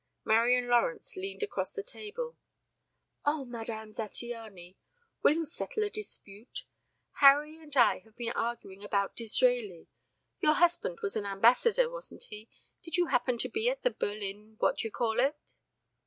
Marian Lawrence leaned across the table. "Oh, Madame Zattiany! Will you settle a dispute? Harry and I have been arguing about Disraeli. Your husband was an ambassador, wasn't he? Did you happen to be at the Berlin What d'you call it?"